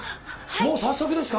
もう早速ですか？